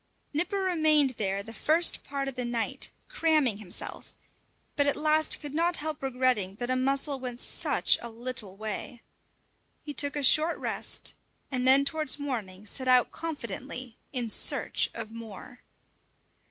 Nipper remained there the first part of the night, cramming himself, but at last could not help regretting that a mussel went such a little way. He took a short rest, and then towards morning set out confidently in search of more.